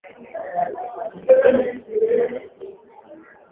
Asilia niya maana sana kwa muntu